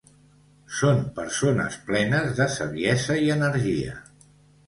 Són persones plenes de saviesa i energia.